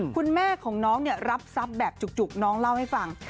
คุณแม่ของน้องรับทรัพย์แบบจุกน้องเล่าให้ฟัง